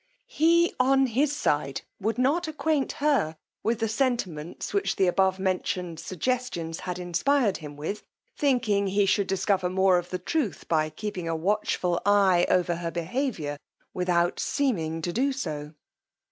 He, on his side, would not acquaint her with the sentiments which the above mentioned suggestions had inspired him with, thinking he should discover more of the truth by keeping a watchful eye over her behaviour without seeming to do so.